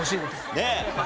ねえ。